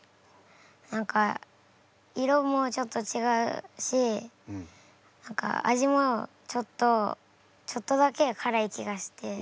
何か色もちょっと違うし何か味もちょっとちょっとだけからい気がして。